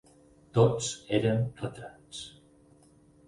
Tots eren retrats.